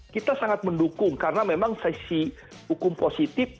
kita sangat mendukung karena memang sesi hukum positif